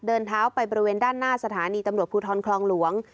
เดินเท้าไปบริเวณด้านหน้าสถานีตำรวจภูทรคลองหลวง